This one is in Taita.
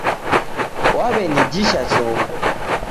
W'aw'enijisha chongo